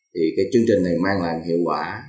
thì cái chương trình này mang lại hiệu quả